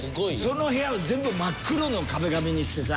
その部屋を全部真っ黒の壁紙にしてさ。